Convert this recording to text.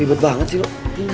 eh ribet banget sih lo